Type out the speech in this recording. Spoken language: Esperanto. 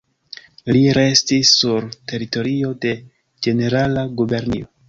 Li restis sur teritorio de Ĝenerala Gubernio.